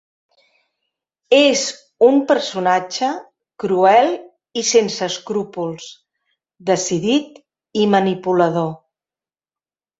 És un personatge cruel i sense escrúpols, decidit i manipulador.